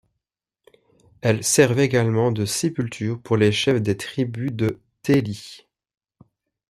Elle servait également de sépultures pour les chefs des tribus de Te I’i.